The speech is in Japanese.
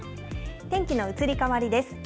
天気の移り変わりです。